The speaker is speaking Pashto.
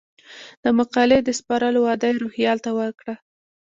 د مقالې د سپارلو وعده یې روهیال ته وکړه.